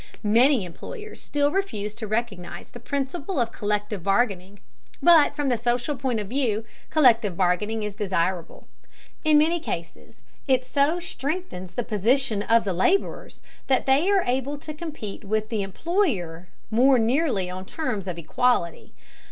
Many employers still refuse to recognize the principle of collective bargaining, but from the social point of view collective bargaining is desirable. In many cases it so strengthens the position of the laborers that they are able to compete with the employer more nearly on terms of equality.